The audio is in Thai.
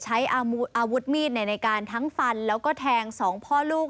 ใช้อาวุธมีดในการทั้งฟันแล้วก็แทงสองพ่อลูก